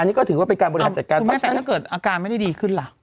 อันนี้ก็ถือว่าเป็นการบริหารจัดการเพราะฉะนั้นถ้าเกิดอาการไม่ได้ดีขึ้นล่ะ